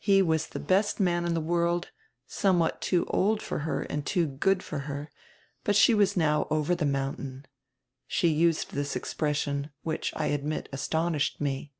He was the best man in the world, somewhat too old for her and too good for her, but she was now 'over the mountain.' She used this expression, which, I admit, astonished me."